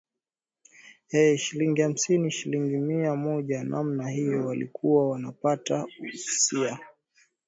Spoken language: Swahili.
ee shilingi hamsini shilingi mia moja namna hiyo walikuwa wanapata usai